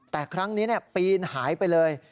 แต่ครั้งนี้ปีนหายไปเลย